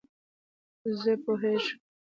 زه پوهیږم